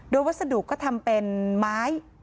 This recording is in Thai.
โดยวัสดุก็ทำเป็นไม้